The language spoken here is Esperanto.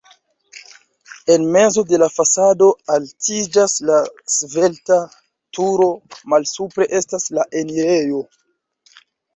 En mezo de la fasado altiĝas la svelta turo, malsupre estas la enirejo.